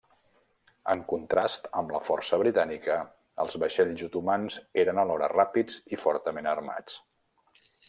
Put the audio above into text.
En contrast amb la força britànica, els vaixells otomans eren alhora ràpids i fortament armats.